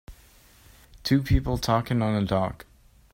Two people talking on a dock.